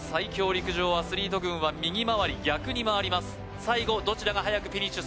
陸上アスリート軍は右回り逆に回ります